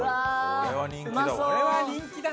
これは人気だな！